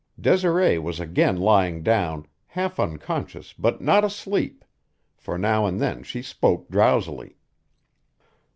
Desiree was again lying down, half unconscious but not asleep, for now and then she spoke drowsily.